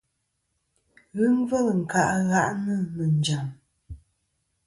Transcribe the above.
Ghɨ ngvêl nkâʼ ngàʼnɨ̀ nɨ̀ njàm.